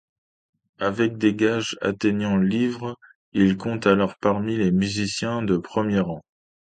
Avec des gages atteignant livres, il compte alors parmi les musiciens de premier rang.